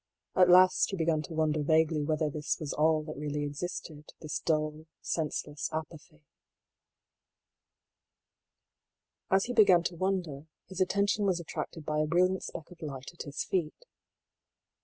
At last he began to wonder vaguely whether this was all that really existed — this dull, senseless apathy. As he began to wonder, his attention was attracted MIZPAH. 2Y5 by a brilliant speck of light at his feet.